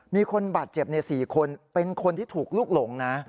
มีคนบาดเจ็บ๔คนเป็นคนที่ถูกลูกหลงนะ